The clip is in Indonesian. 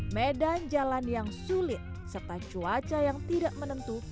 medan jalan yang sulit serta cuaca yang tidak menentu